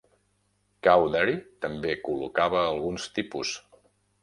Cowdery també col·locava alguns tipus.